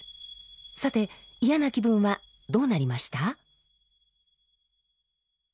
さて嫌な気分はどうなりました？